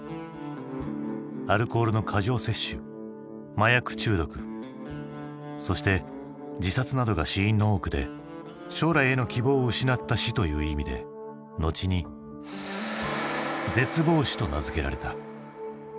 アルコールの過剰摂取麻薬中毒そして自殺などが死因の多くで「将来への希望を失った死」という意味で後に「絶望死」と名付けられた。